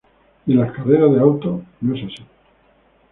Y en las carreras de autos, no es así.